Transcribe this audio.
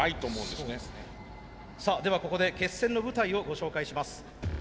さあではここで決戦の舞台をご紹介します。